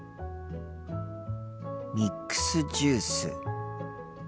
ミックスジュース。